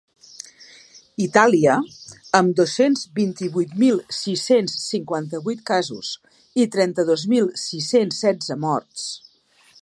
Itàlia, amb dos-cents vint-i-vuit mil sis-cents cinquanta-vuit casos i trenta-dos mil sis-cents setze morts.